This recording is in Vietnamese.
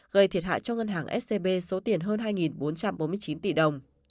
gây thiệt hại cho ngân hàng scb số tiền hơn hai bốn trăm bốn mươi chín tỷ đồng